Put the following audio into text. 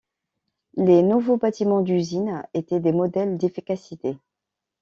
Les nouveaux bâtiments d'usine étaient des modèles d'efficacité.